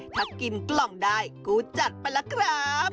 ถ้ากินกล่องได้กูจัดไปแล้วครับ